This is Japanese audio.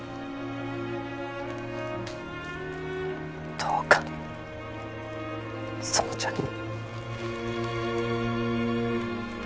どうか園ちゃんに。